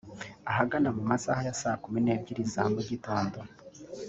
Ahagana mu masaha ya saa kumi n’ebyiri za mu gitondo